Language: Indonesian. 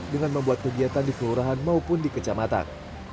dengan membuat kegiatan di kelurahan maupun di kecamatan